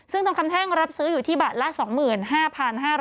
ซึ่งทองคำแท่งรับซื้ออยู่ที่บาทละ๒๕๕๐๐บาท